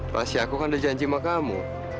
pas ya aku kan udah janji sama kamu